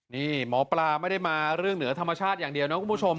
นี่หมอปลาไม่ได้มาเรื่องเหนือธรรมชาติอย่างเดียวนะคุณผู้ชม